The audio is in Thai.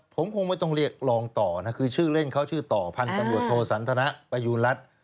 ผมคงไม่ต้องเรียกรองต่อนะคือชื่อเล่นเขาชื่อต่อพันธุ์ตำรวจโทสันทนะประยูณรัฐ